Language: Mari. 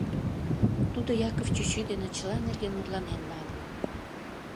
Тудо Яков чӱчӱ дене чыла нерген мутланен налын.